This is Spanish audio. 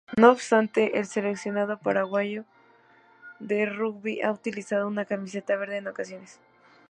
No obstante, el seleccionado paraguayo de rugby ha utilizado una camiseta verde, en ocasiones.